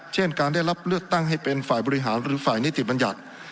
เช่นการได้รับเลือกตั้งให้เป็นฝ่ายบริหารหรือฝ่ายนิติบัญญัติ